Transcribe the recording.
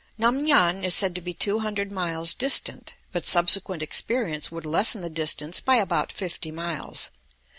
Nam ngan is said to be two hundred miles distant, but subsequent experience would lessen the distance by about fifty miles.